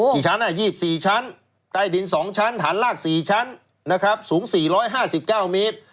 กี่ชั้นยีบ๔ชั้นใต้ดิน๒ชั้นฐานราก๔ชั้นสูง๔๕๙มิตร